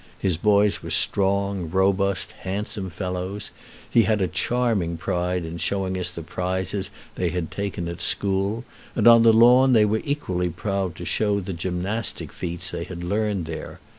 His boys were strong, robust, handsome fellows; he had a charming pride in showing us the prizes they had taken at school; and on the lawn they were equally proud to show the gymnastic feats they had learned there.